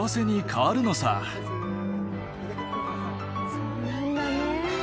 そうなんだね。